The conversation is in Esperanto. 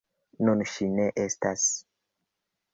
Nun ŝi ne estas.